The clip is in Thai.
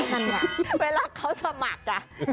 นั่นน่ะเวลาเขาสมัคร